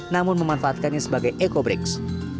namun memanfaatkannya sebagai eco brigs